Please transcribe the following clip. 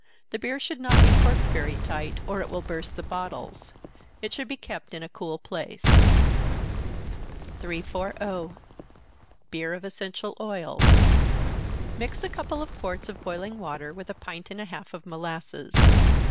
The beer should not be corked very tight, or it will burst the bottles. It should be kept in a cool place. 340. Beer of Essential Oils. Mix a couple of quarts of boiling water with a pint and a half of molasses.